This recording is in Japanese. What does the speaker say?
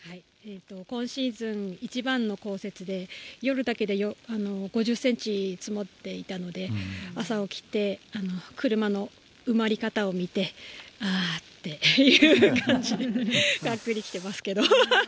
今シーズン一番の降雪で、夜だけで５０センチ積もっていたので、朝起きて、車の埋まり方を見て、ああっていう感じ、がっくりきてますけど。